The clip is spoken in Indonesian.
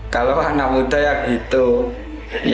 dari mantan moral itu untuk mdm